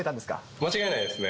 間違いないですね。